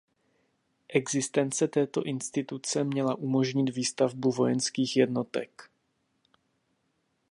Existence této instituce měla umožnit výstavbu vojenských jednotek.